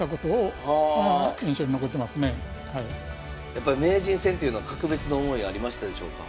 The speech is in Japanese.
やっぱ名人戦というのは格別な思いがありましたでしょうか？